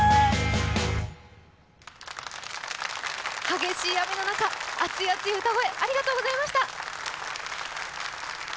激しい雨の中、熱い熱い歌声、ありがとうございました。